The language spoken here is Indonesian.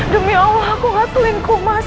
demi allah aku enggak selingkuh mas